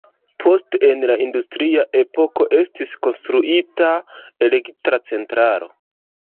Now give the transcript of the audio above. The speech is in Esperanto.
Poste en la industria epoko estis konstruita elektra centralo.